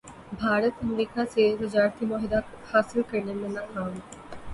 بھارت امریکا سے تجارتی معاہدہ حاصل کرنے میں ناکام